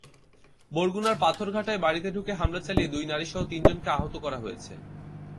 বরগুনার পাথরঘাটায় বাড়িতে ঢুকে হামলা চালিয়ে দুই নারীসহ তিনজনকে আহত করা হয়েছে।